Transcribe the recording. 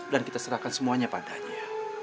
dan kita serahkan semuanya padanya